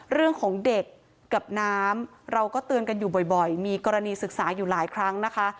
เรื่องของเด็กกับน้ำเราก็เตือนกันอยู่บ่อยมีกรณีศึกษาอยู่หลายครั้งนะคะ